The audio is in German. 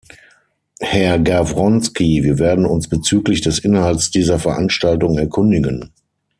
Herr Gawronski, wir werden uns bezüglich des Inhalts dieser Veranstaltung erkundigen.